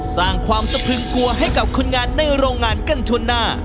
สร้างความสะพึงกลัวให้กับคนงานในโรงงานกันทั่วหน้า